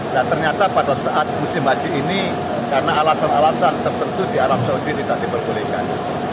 dan ternyata pada saat musim haji ini karena alasan alasan tertentu di alam seluruh diri tadi berbolehkan